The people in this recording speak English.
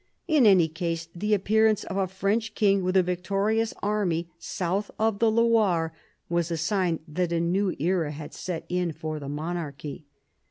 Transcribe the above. In any case the appearance of a French king with a victorious army south of the Loire was a sign that a new era had set in for the monarchy.